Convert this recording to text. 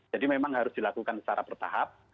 jadi memang harus dilakukan secara bertahap